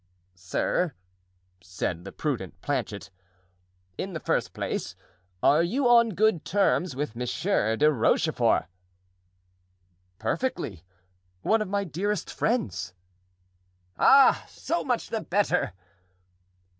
"Sir," said the prudent Planchet, "in the first place, are you on good terms with Monsieur de Rochefort?" "Perfectly; one of my dearest friends." "Ah! so much the better!"